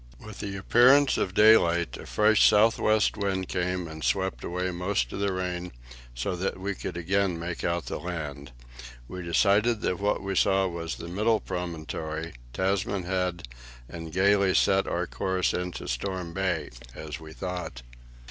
With the appearance of daylight a fresh south west wind came and swept away most of the rain, so that we could again make out the land. We decided that what we saw was the middle promontory, Tasman Head, and gaily set our course into Storm Bay as we thought.